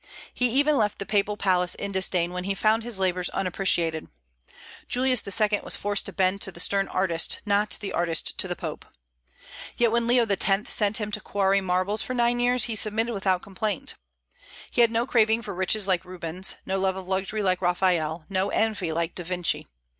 He even left the papal palace in disdain when he found his labors unappreciated. Julius II. was forced to bend to the stern artist, not the artist to the Pope. Yet when Leo X. sent him to quarry marbles for nine years, he submitted without complaint. He had no craving for riches like Rubens, no love of luxury like Raphael, no envy like Da Vinci.